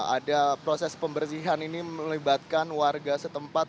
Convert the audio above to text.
ada proses pembersihan ini melibatkan warga setempat